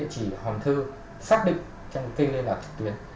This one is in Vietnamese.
cái địa chỉ hòn thư xác định trong kênh liên lạc trực tuyến